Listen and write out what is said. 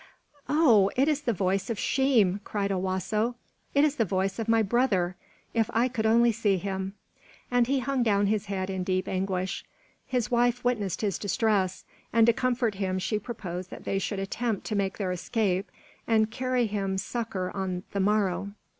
"Oh, it is the voice of Sheem," cried Owasso. "It is the voice of my brother! If I could only see him!" And he hung down his head in deep anguish. His wife witnessed his distress, and to comfort him she proposed that they should attempt to make their escape and carry him succor on the morrow.